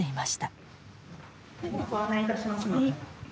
ご案内いたしますので。